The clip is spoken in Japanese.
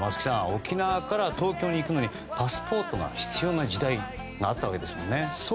沖縄から東京に行くのにパスポートが必要な時代があったわけですよね。